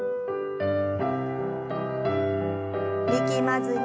力まずに。